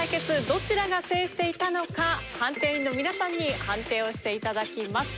どちらが制していたのか判定員の皆さんに判定をして頂きます。